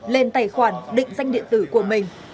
lên tài khoản định danh điện tử của mình